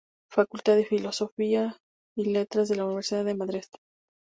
Facultad de Filosofía y Letras de la Universidad de Madrid.